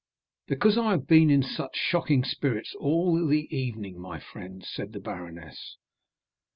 "Because I have been in such shocking spirits all the evening, my friend," said the baroness.